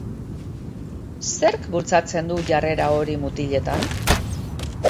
Zerk bultzatzen du jarrera hori mutiletan?